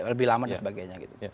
lebih lama dan sebagainya gitu